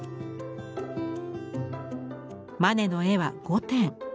マネの絵は５点。